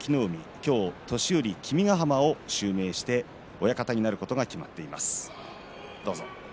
今日年寄君ヶ濱を襲名して親方になることが決まっています。